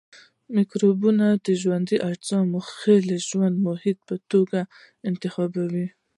مکروبونه ژوندي اجسام د خپل ژوند محیط په توګه انتخابوي.